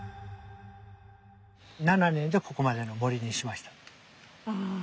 ７年でここまでの森にしました。